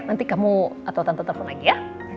tante mau atau tante telfon lagi ya